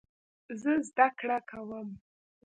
زه زده کړه کوم.